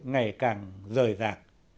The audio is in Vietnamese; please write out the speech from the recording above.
ngày càng rời ràng